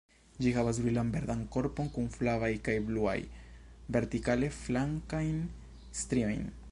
Ĝi havas brilan verdan korpon kun flavaj kaj bluaj, vertikale flankajn striojn.